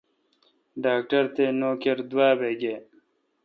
ڈاکٹر تے نوکر دوابہ گئے۔